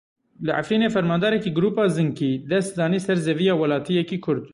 Li Efrînê Fermandarekî grûpa Zinkî dest danî ser zeviya welatiyekî Kurd.